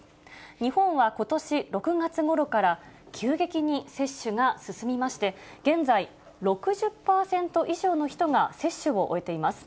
日本はことし６月ごろから急激に接種が進みまして、現在、６０％以上の人が接種を終えています。